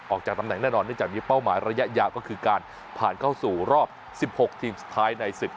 ออกจากตำแหน่งแน่นอนเนื่องจากมีเป้าหมายระยะยาวก็คือการผ่านเข้าสู่รอบ๑๖ทีมสุดท้ายในศึก